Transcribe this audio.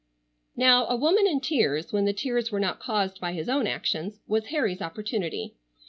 Now a woman in tears, when the tears were not caused by his own actions, was Harry's opportunity.